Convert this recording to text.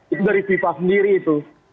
itu dari fifa sendiri itu